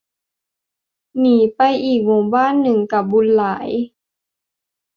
หนีไปอีกหมู่บ้านหนึ่งกับบุญหลาย